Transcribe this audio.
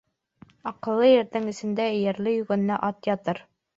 Аҡыллы ирҙең эсендә эйәрле-йүгәнле ат ятыр.